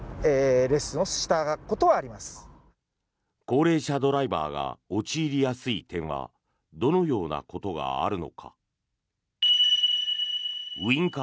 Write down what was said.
高齢者ドライバーが陥りやすい点はどのようなことがあるのか。